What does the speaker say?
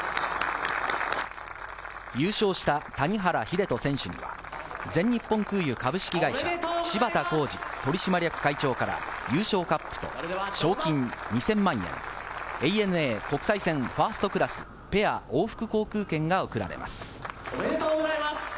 優勝した谷原秀人選手には全日本空輸株式会社・芝田浩二取締役会長から優勝カップと賞金２０００万円、ＡＮＡ国際線ファーストクラス、ペア往復航空券が贈られます。